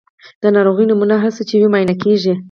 د ناروغۍ نمونې هر څه چې وي معاینه کیږي.